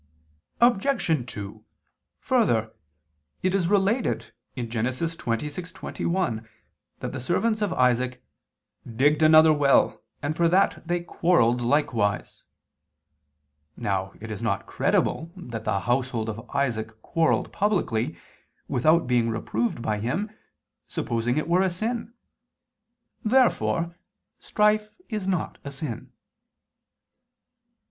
Obj. 2: Further, it is related (Gen. 26:21) that the servants of Isaac "digged" another well, "and for that they quarrelled likewise." Now it is not credible that the household of Isaac quarrelled publicly, without being reproved by him, supposing it were a sin. Therefore strife is not a sin.